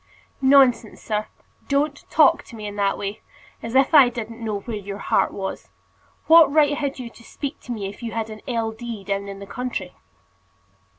"Nonsense, sir. Don't talk to me in that way. As if I didn't know where your heart was. What right had you to speak to me if you had an L. D. down in the country?"